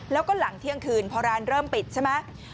แล้วก็หลังเที่ยงคืนพอร้านเริ่มปิดใช่ไหม